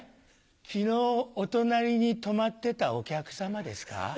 昨日お隣に泊まってたお客さまですか？